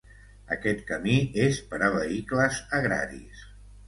Aquest camí és per a vehicles agraris.